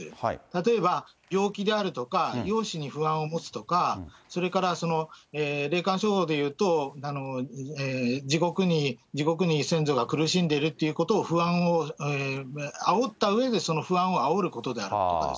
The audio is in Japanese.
例えば病気であるとか、容姿に不安を持つとか、それから霊感商法でいうと、地獄に先祖が苦しんでるっていう不安をあおったうえで、その不安をあおることであるとか。